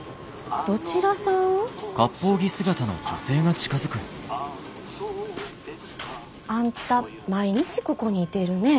どちらさん？あんた毎日ここにいてるねえ？